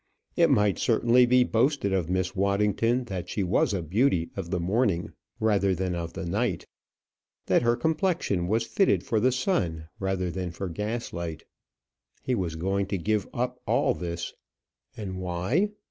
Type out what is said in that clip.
It might certainly be boasted of Miss Waddington that she was a beauty of the morning rather than of the night; that her complexion was fitted for the sun rather than for gaslight. He was going to give up all this! And why?